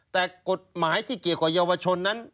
แต่กฎหมายที่เกี่ยวกับเยาวชนนั้น